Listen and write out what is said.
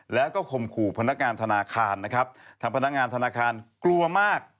แล้วก็ข่มขู่พนักงานธนาคารนะครับทางพนักงานธนาคารกลัวมาก